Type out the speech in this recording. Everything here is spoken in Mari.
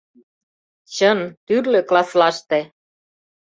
Чын, тӱрлӧ класслаште.